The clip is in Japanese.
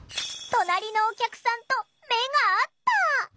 隣のお客さんと目が合った。